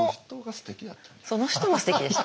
その人がすてきやった？